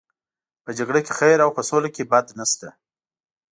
په جګړه کې خیر او په سوله کې بد نشته.